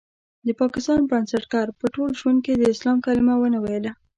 د پاکستان بنسټګر په ټول ژوند کې د اسلام کلمه ونه ويله.